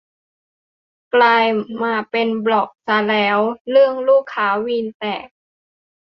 กลายมาเป็นบล็อกซะแล้ว~ เรื่องลูกค้าวีนแตก